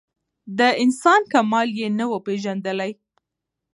د انسان کمال یې نه وو پېژندلی